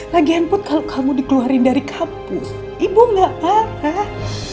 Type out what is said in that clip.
lagian pun kalau kamu dikeluarin dari kampus ibu gak parah